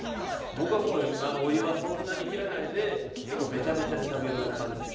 僕はもうお湯はそんなに切らないで結構ベチャベチャで食べる派ですね。